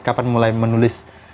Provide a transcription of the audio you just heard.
kapan mulai menulis